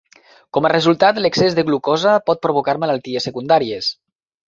Com a resultat, l'excés de glucosa pot provocar malalties secundàries.